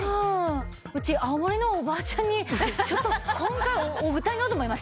うち青森のおばあちゃんにちょっと今回贈りたいなと思いました。